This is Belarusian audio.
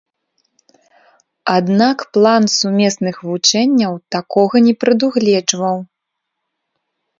Аднак план сумесных вучэнняў такога не прадугледжваў.